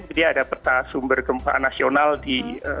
jadi ada peta sumber gempa nasional di dua ribu tujuh belas